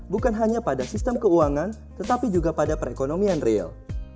bukan hanya pada sistem keuangan tetapi juga pada perekonomian real